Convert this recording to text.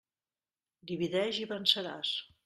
Divideix i venceràs.